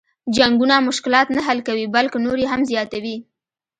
جنګونه مشلات نه حل کوي بلکه نور یې هم زیاتوي.